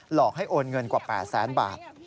หลอกให้โอนเงินกว่า๘แสนบาท